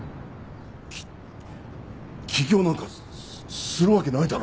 き起業なんかすするわけないだろ。